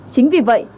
chính vì vậy